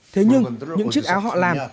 thế nhưng những chiếc áo họ làm